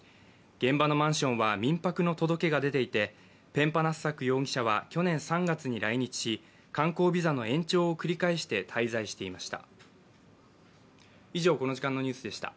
現場のマンションは民泊の届けが出ていてペンパナッサック容疑者は去年３月に来日し、観光ビザの延長を繰り返して滞在していました。